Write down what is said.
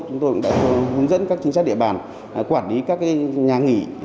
chúng tôi cũng đã hướng dẫn các chính sát địa bàn quản lý các nhà nghỉ